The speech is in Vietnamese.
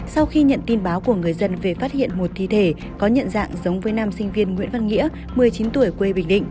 sau khi nhận tin báo của người dân về phát hiện một thi thể có nhận dạng giống với nam sinh viên nguyễn văn nghĩa một mươi chín tuổi quê bình định